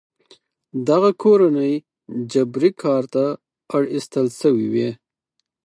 دغه کورنۍ جبري کار ته اړ ایستل شوې وې.